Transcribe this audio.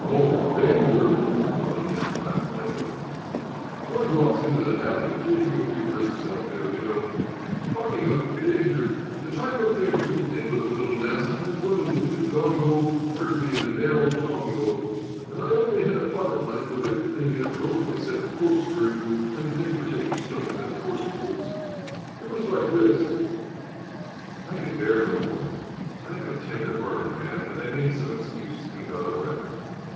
"Oh, danger!" Eddie Denton laughed lightly. "One drops into the habit of taking a few risks out there, you know. Talking of danger, the time when things really did look a little nasty was when the wounded gongo cornered me in a narrow tongo and I only had a pocket knife with everything in it broken except the corkscrew and the thing for taking stones out of horses' hoofs. It was like this " I could bear no more. I am a tender hearted man, and I made some excuse and got away.